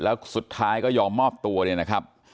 แล้วสุดท้ายก็ยอมมอบตัวเนี่ยนะครับ